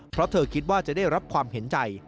เพราะเธอคิดว่าจะได้รับความเห็นใจ